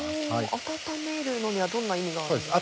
温めるのにはどんな意味があるんですか？